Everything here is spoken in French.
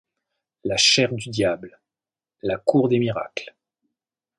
La chaire du diable. — La Cour des Miracles.